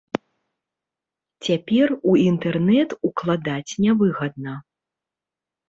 Цяпер у інтэрнэт укладаць нявыгадна.